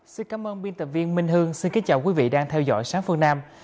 xin cảm ơn biên tập viên minh hương xin kính chào quý vị đang theo dõi sáng phương nam